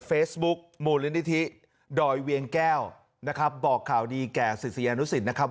เฟซบุ๊คมูลนิธิดอยเวียงแก้วนะครับบอกข่าวดีแก่ศิษยานุสิตนะครับ